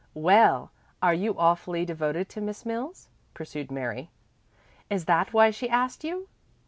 "Well, are you awfully devoted to Miss Mills?" pursued Mary. "Is that why she asked you?"